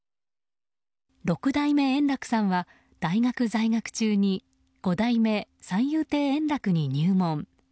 六代目円楽さんは大学在学中に五代目三遊亭圓楽に入門。